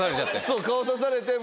そう顔さされて。